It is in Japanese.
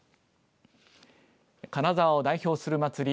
金沢を代表する祭り